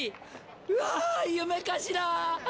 うわー夢かしら！